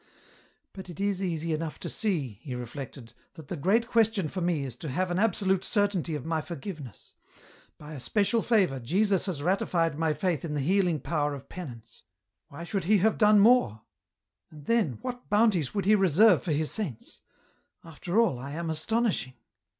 " But it is easy enough to see," he reflected, " that the great question for me is to have an absolute certainty of my forgiveness ! By a special favour, Jesus has ratified my faith in the healing power of Penance. Why should He have done more ?" "And then, what bounties would He reserve for His saints ? After all I am astonishing.